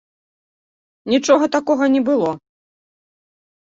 Нічога такога не было.